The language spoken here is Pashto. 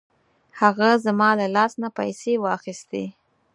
هغه زما له لاس نه پیسې واخیستې.